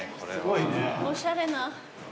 おしゃれな。